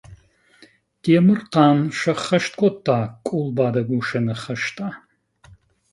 Темырхъан сӕххӕст кодта къулбадӕг усы ныхӕстӕ.